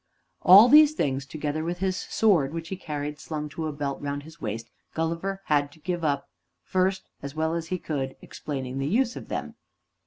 All these things, together with his sword, which he carried slung to a belt round his waist, Gulliver had to give up, first, as well as he could, explaining the use of them.